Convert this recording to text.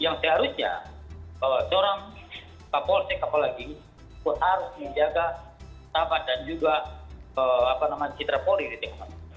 yang seharusnya seorang kapolsek apalagi harus menjaga sahabat dan juga citra polri di tikman